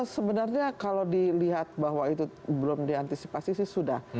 sebenarnya kalau dilihat bahwa itu belum diantisipasi sih sudah